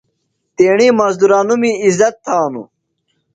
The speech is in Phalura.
تیݨی مُزدُرانومی عِزت تھانوۡ۔